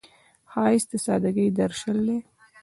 ښایست د سادګۍ درشل دی